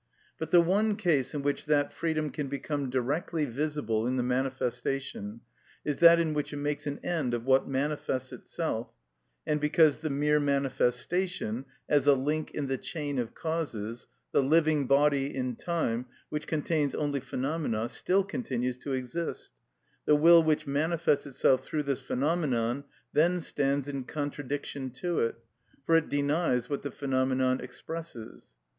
But the one case in which that freedom can become directly visible in the manifestation is that in which it makes an end of what manifests itself, and because the mere manifestation, as a link in the chain of causes, the living body in time, which contains only phenomena, still continues to exist, the will which manifests itself through this phenomenon then stands in contradiction to it, for it denies what the phenomenon expresses.